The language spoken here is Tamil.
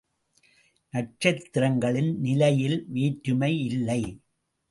நட்சத்திரங்களின் நிலையில் வேற்றுமையில்லை.